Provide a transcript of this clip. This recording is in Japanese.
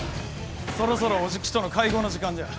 そろそろオジキとの会合の時間じゃ。